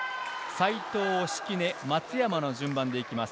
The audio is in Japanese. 西藤、敷根、松山の順番でいきます。